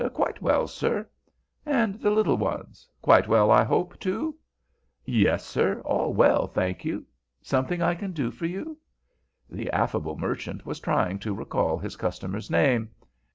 "Quite well, sir." "And the little ones—quite well, I hope, too?" "Yes, sir; all well, thank you. Something I can do for you?" The affable merchant was trying to recall his customer's name.